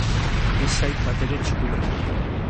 Ez zait batere txukuna iruditu.